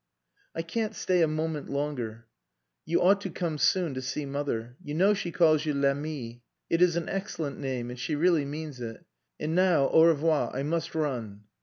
"I can't stay a moment longer. You ought to come soon to see mother. You know she calls you 'L'ami.' It is an excellent name, and she really means it. And now au revoir; I must run."